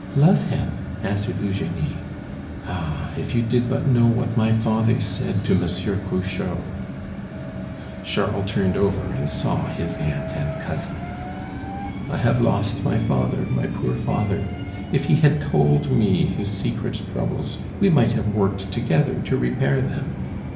"Love him!" answered Eugenie. "Ah! if you did but know what my father said to Monsieur Cruchot." Charles turned over, and saw his aunt and cousin. "I have lost my father, my poor father! If he had told me his secret troubles we might have worked together to repair them.